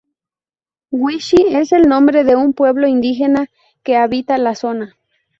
Wichí es el nombre de un pueblo indígena que habita la zona.